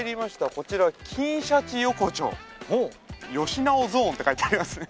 こちら「金シャチ横丁」「義直ゾーン」って書いてありますね。